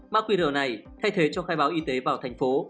mã qr này thay thế cho khai báo y tế vào thành phố